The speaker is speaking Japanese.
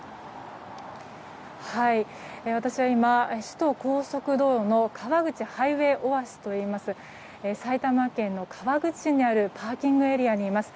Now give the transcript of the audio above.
私は今、首都高速道路の川口ハイウェイオアシスといいます埼玉県の川口市にあるパーキングエリアにいます。